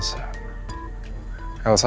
bisa sudah ada keamanan nih